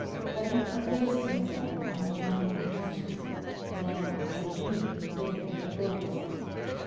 Hutton effaced himself, and the young man entered, Then Julie raised her voice.